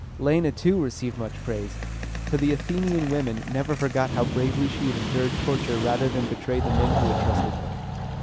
Leæna, too, received much praise, for the Athenian women never forgot how bravely she had endured torture rather than betray the men who had trusted her.